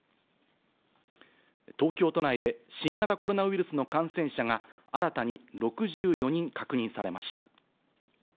東京都内で、新型コロナウイルスの感染者が、新たに６４人確認されました。